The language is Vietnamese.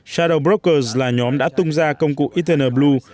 shadow brokers là nhóm đã tung ra công cụ ethernet blue